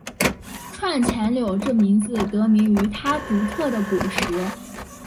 串钱柳这名字得名于它独特的果实。